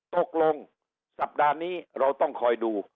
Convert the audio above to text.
ตกลงสัปดาห์นี้เราต้องคอยดู